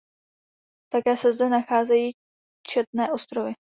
Také se zde nacházejí četné ostrovy.